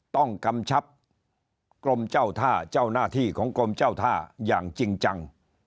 กำชับกรมเจ้าท่าเจ้าหน้าที่ของกรมเจ้าท่าอย่างจริงจัง